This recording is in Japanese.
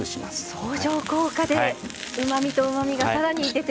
相乗効果でうまみとうまみがさらに出てくる。